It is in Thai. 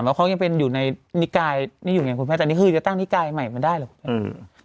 มันยังเป็นอยู่ในนิกายนี่อยู่ไงคุณแม่แต่นี่คือทั้งนิกายใหม่มาได้หรออือ